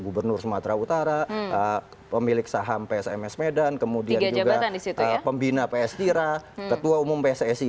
gubernur sumatera utara pemilik saham psms medan kemudian juga pembina ps tira ketua umum pssi